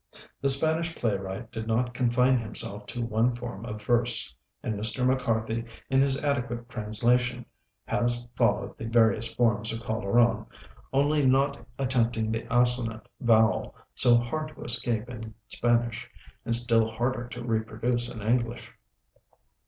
The Spanish playwright did not confine himself to one form of verse; and Mr. MacCarthy, in his adequate translation, has followed the various forms of Calderon, only not attempting the assonant vowel, so hard to escape in Spanish, and still harder to reproduce in English.